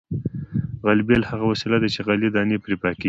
غلبېل هغه وسیله ده چې غلې دانې پرې پاکیږي